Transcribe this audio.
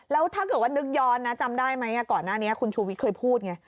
แล้วถ้าเกิดว่านึกย้อนนะจำได้ไหมก่อนหน้านี้คุณชูวิทย์เคยพูดไง